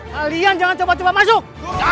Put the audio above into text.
kalian jangan cepat cepat masuk